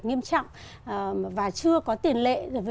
nghiêm trọng và chưa có tiền lệ